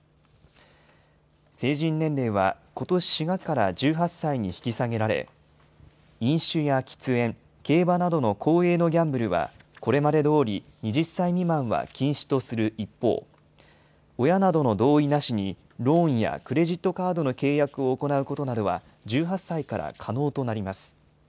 成人年齢はことし４月から１８歳に引き下げられ、飲酒や喫煙、競馬などの公営のギャンブルは、これまでどおり２０歳未満は禁止とする一方、親などの同意なしにローンやクレジットカードの契約を行うことなどは１８歳から可能となります。